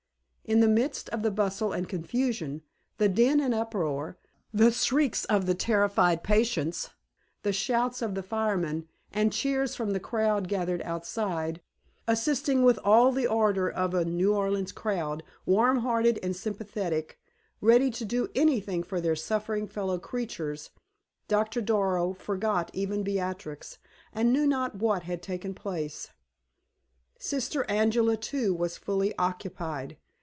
In the midst of the bustle and confusion, the din and uproar, the shrieks of the terrified patients, the shouts of the firemen, and cheers from the crowd gathered outside, assisting with all the ardor of a New Orleans crowd, warm hearted and sympathetic, ready to do anything for their suffering fellow creatures, Doctor Darrow forgot even Beatrix, and knew not what had taken place. Sister Angela, too, was fully occupied.